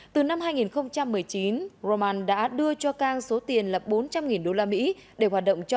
từ năm hai nghìn một mươi chín roman đã đưa cho cang số tiền là bốn trăm linh usd để hoạt động cho